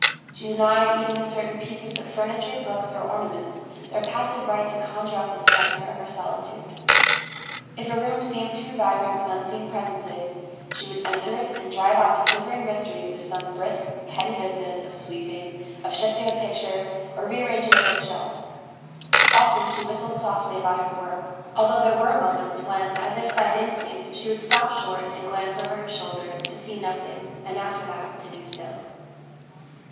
She denied even to certain pieces of furniture, books, or ornaments, their passive right to conjure up the spectre of her solitude. If a room seemed too vibrant with unseen presences, she would enter it and drive out the quivering mystery with some brisk petty business of sweeping, of shifting a picture, or rearranging a book shelf. Often she whistled softly about her work, although there were moments when as if by an instinct she would stop short and glance over her shoulder, to see nothing, and after that to be still.